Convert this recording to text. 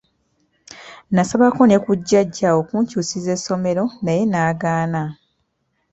Nasabako ne ku jjajja okunkyusiza essomero naye n'agaana.